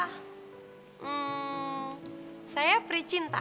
hmm saya pri cinta